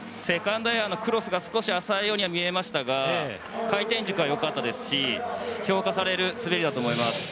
セカンドエアのクロスが少し浅いように見えましたが回転軸は良かったですし評価される滑りだと思います。